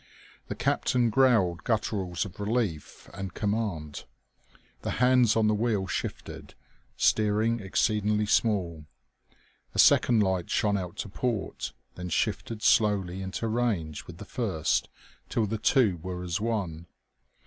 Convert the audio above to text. The captain growled gutturals of relief and command. The hands on the wheel shifted, steering exceeding small. A second light shone out to port, then shifted slowly into range with the first, till the two were as one.